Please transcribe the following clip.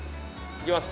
行きます